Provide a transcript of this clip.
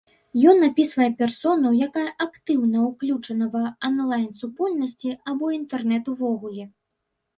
Ён апісвае персону, якая актыўна уключана ва анлайн супольнасці або інтэрнэт увогуле.